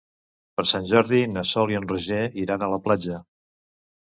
Per Sant Jordi na Sol i en Roger iran a la platja.